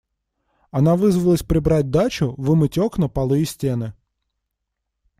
Она вызвалась прибрать дачу, вымыть окна, полы и стены.